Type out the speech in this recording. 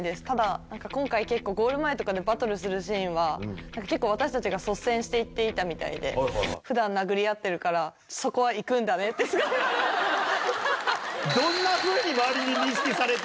ただ、今回、結構ゴール前とかでバトルするシーンは、結構、私たちが率先していっていたみたいで、ふだん殴り合ってるから、そこは行くんだねってすごく言われました。